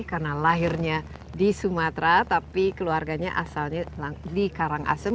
karena lahirnya di sumatera tapi keluarganya asalnya di karangasem